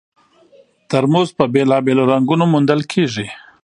ترموز په بېلابېلو رنګونو موندل کېږي.